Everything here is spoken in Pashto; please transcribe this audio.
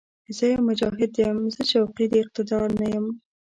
زه يو «مجاهد» یم، زه شوقي د اقتدار نه یم